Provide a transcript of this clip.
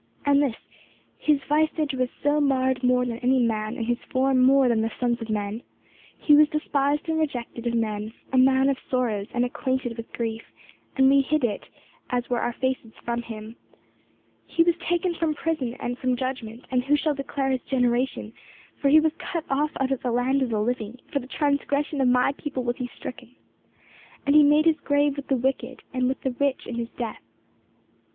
And this, 'his visage was so marred more than any man, and his form more than the sons of men' 'He was despised and rejected of men; a man of sorrows, and acquainted with grief; and we hid as it were our faces from him' 'He was taken from prison and from judgment and who shall declare his generation, for he was cut off out of the land of the living, for the transgression of my people was he stricken' 'And he made his grave with the wicked and with the rich in his death.